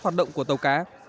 hoạt động của tàu cá